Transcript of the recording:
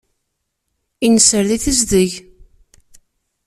Innser di tezdeg.